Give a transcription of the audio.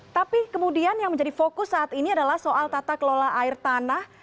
tapi kemudian yang menjadi fokus saat ini adalah soal tata kelola air tanah